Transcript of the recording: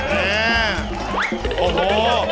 แหละโอ้โห